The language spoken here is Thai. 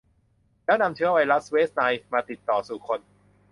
แล้วนำเชื้อไวรัสเวสต์ไนล์มาติดต่อสู่คน